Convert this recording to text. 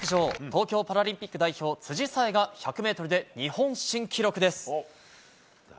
東京パラリンピック代表、辻沙絵が、１００メートルで日本新記録です。